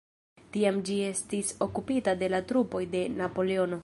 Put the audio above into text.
Tiam ĝi estis okupita de la trupoj de Napoleono.